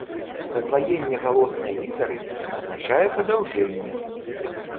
Падваенне галоснай літары азначае падаўжэнне.